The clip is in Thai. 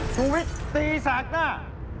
สุวิทธิศาสตร์หน้า